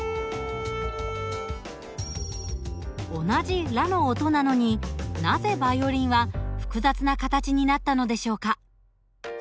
同じラの音なのになぜバイオリンは複雑な形になったのでしょうか？